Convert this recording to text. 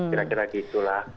kira kira gitu lah